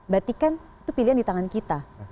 berarti kan itu pilihan di tangan kita